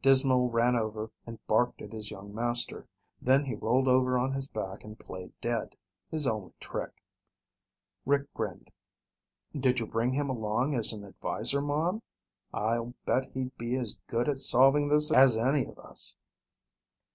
Dismal ran over and barked at his young master, then he rolled over on his back and played dead, his only trick. Rick grinned. "Did you bring him along as an adviser, Mom? I'll bet he'd be as good at solving this as any of us."